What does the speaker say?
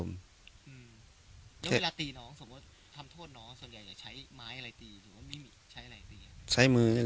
มันน่าจะปกติบ้านเรามีก้านมะยมไหม